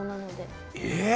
え！